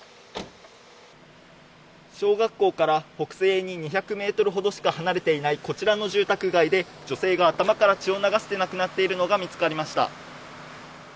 小学校から北西に２００メートルほどしか離れていないこちらの住宅街で、女性が頭から血を流して亡くなっているのが見つかりました。